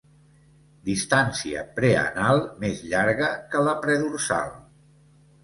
Distància preanal més llarga que la predorsal.